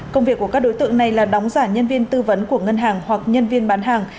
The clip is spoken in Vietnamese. công việc của các đối tượng này là đóng giả nhân viên tư vấn của ngân hàng hoặc nhân viên bán hàng